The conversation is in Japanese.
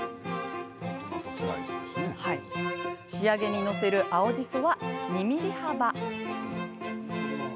仕上げに載せる青じそは２ｍｍ幅。